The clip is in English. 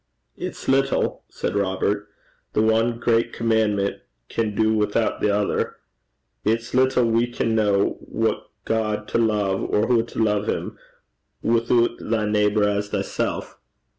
'It's little,' said Robert, 'the one great commandment can do withoot the other. It's little we can ken what God to love, or hoo to love him, withoot "thy neighbour as thyself."